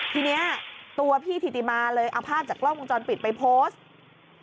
ทีนี้ตัวพี่ถิติมาเลยเอาภาพจากกล้องวงจรปิดไปโพสต์